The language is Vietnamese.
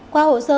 qua hồ sơ